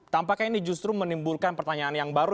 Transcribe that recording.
tampaknya ini justru menimbulkan pertanyaan yang baru